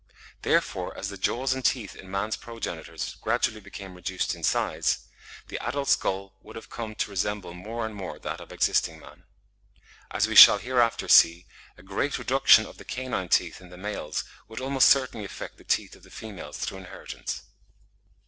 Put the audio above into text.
Therefore, as the jaws and teeth in man's progenitors gradually become reduced in size, the adult skull would have come to resemble more and more that of existing man. As we shall hereafter see, a great reduction of the canine teeth in the males would almost certainly affect the teeth of the females through inheritance.